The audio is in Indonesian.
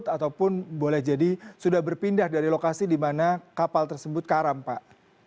ataupun boleh jadi sudah berpindah dari lokasi di mana kapal tersebut karam pak